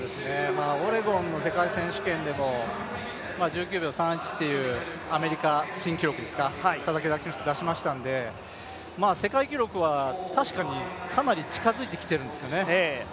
オレゴンの世界選手権でも１９秒３１というアメリカ新記録をたたき出しましたので、世界記録は確かにかなり近づいてきているんですよね。